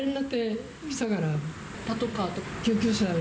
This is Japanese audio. パトカーとか？